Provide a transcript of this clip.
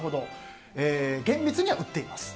厳密には、売っています。